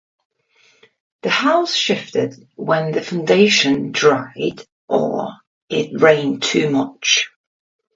The house shifted when the foundation dried or it rained too much.